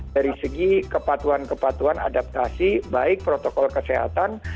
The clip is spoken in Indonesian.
dari segi kepatuan kepatuan adaptasi baik protokol kesehatan